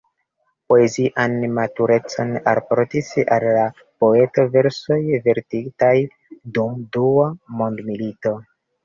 Poezian maturecon alportis al la poeto versoj verkitaj dum Dua mondmilito.